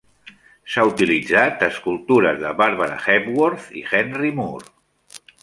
S"ha utilitzat a escultures de Barbara Hepworth i Henry Moore.